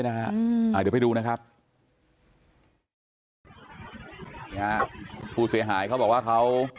เดี๋ยวไปดูผู้เสียหายเขาบอกว่าเขา